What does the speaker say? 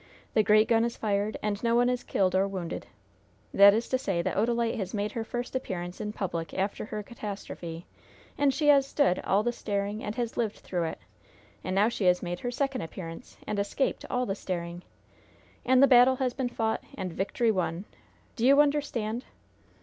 The great gun is fired, and no one is killed or wounded! That is to say that Odalite has made her first appearance in public after her catastrophe, and she has stood all the staring and has lived through it! And now she has made her second appearance, and escaped all the staring! And the battle has been fought and victory won! Do you understand?"